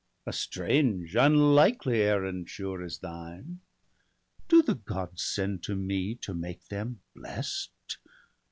A strange unlikely errand, sure, is thine. Do the Gods send to me to make them blest?